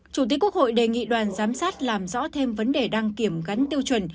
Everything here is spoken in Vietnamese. chủ tịch quốc hội đề nghị đoàn giám sát làm rõ thêm vấn đề đăng kiểm gắn tiêu chuẩn